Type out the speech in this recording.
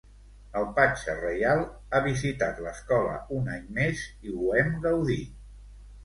El patge reial ha visitat l'escola un any més i ho hem gaudit.